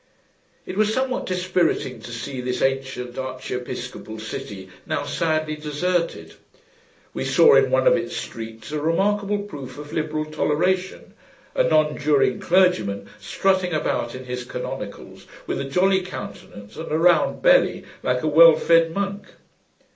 It was somewhat dispiriting, to see this ancient archiepiscopal city now sadly deserted. We saw in one of its streets a remarkable proof of liberal toleration; a nonjuring clergyman, strutting about in his canonicals, with a jolly countenance and a round belly, like a well fed monk.